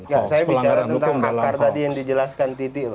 saya bicara tentang akar tadi yang dijelaskan titi